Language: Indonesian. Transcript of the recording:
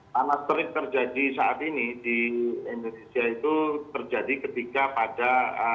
panas terik terjadi saat ini di indonesia itu terjadi ketika pada